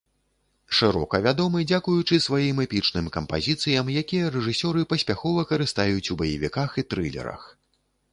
Шырока вядомы дзякуючы сваім эпічным кампазіцыям, якія рэжысёры паспяхова карыстаюць у баевіках і трылерах.